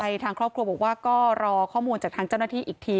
ใช่ทางครอบครัวบอกว่าก็รอข้อมูลจากทางเจ้าหน้าที่อีกที